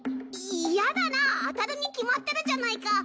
嫌だなああたるに決まってるじゃないか。